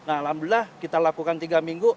alhamdulillah kita lakukan tiga minggu